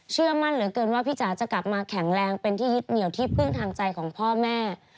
เชื่อมั่นเหลือเกินว่าพี่จ๋าจะกลับมาแข็งแรงเป็นที่ยึดเหนียวที่พึ่งทางใจของพ่อแม่